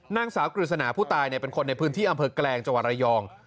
นางสาวกฤษณาผู้ตายเป็นคนในพื้นที่อำเภอแกลงจังหวัดระยอง